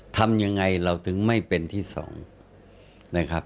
ทำยังไงเราถึงไม่เป็นที่๒นะครับ